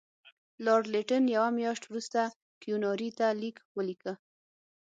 لارډ لیټن یوه میاشت وروسته کیوناري ته لیک ولیکه.